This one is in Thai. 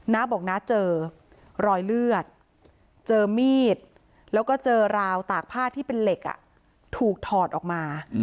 น้าบอกน้าเจอรอยเลือดเจอมีดแล้วก็เจอราวตากผ้าที่เป็นเหล็กถูกถอดออกมา